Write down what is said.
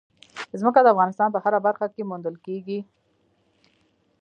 ځمکه د افغانستان په هره برخه کې موندل کېږي.